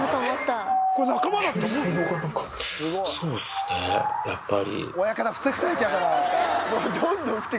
そうっすね、やっぱり。